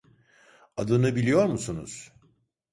Adını biliyor musunuz?